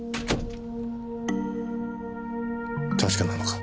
確かなのか？